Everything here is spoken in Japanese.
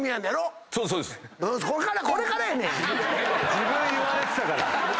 自分言われてたから。